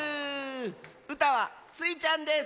うたはスイちゃんです！